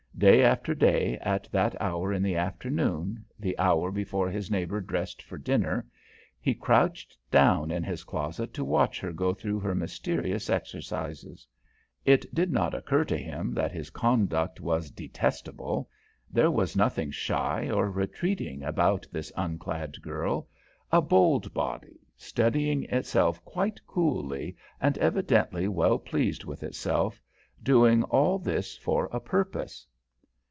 Day after day, at that hour in the afternoon, the hour before his neighbour dressed for dinner, he crouched down in his closet to watch her go through her mysterious exercises. It did not occur to him that his conduct was detestable; there was nothing shy or retreating about this unclad girl, a bold body, studying itself quite coolly and evidently well pleased with itself, doing all this for a purpose.